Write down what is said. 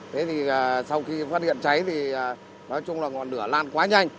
thế thì sau khi phát hiện cháy thì nói chung là ngọn lửa lan quá nhanh